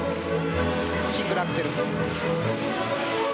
シングルアクセル。